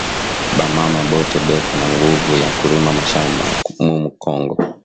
Ba mama bote beko na nguvu ya kurima mashamba mu kongo